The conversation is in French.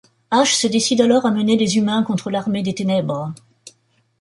Ash se décide alors à mener les humains contre l'Armée des ténèbres.